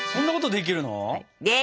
できる！